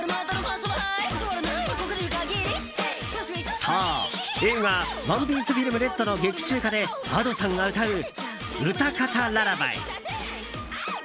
そう映画「ＯＮＥＰＩＥＣＥＦＩＬＭＲＥＤ」の劇中歌でＡｄｏさんが歌う「ウタカタララバイ」。